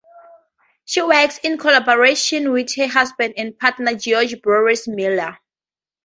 She works in collaboration with her husband and partner George Bures Miller.